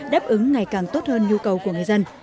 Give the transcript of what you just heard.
đáp ứng ngày càng tốt hơn nhu cầu của người dân